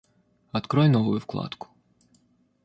Открой новую вкладку